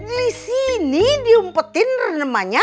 di sini diumpetin renemannya